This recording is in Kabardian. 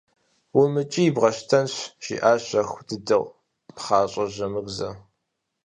– УмыкӀий, бгъэщтэнщ, – жиӀащ щэху дыдэу пхъащӀэ Жамырзэ.